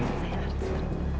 kenalin saya astri